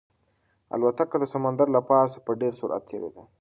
الوتکه د سمندر له پاسه په ډېر سرعت تېرېده.